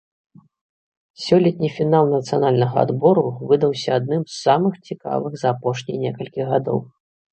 Сёлетні фінал нацыянальнага адбору выдаўся адным з самых цікавых за апошнія некалькі гадоў.